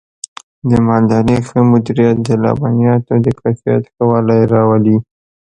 د مالدارۍ ښه مدیریت د لبنیاتو د کیفیت ښه والی راولي.